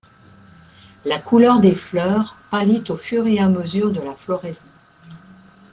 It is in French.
La couleur des fleurs pâlit au fur et à mesure de la floraison.